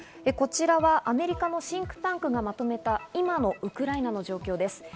こちらはアメリカのシンクタンクがまとめた今のウクライナの状況です。